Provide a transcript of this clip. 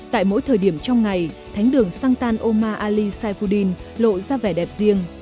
tại mỗi thời điểm trong ngày thánh đường shantan omar ali saifuddin lộ ra vẻ đẹp riêng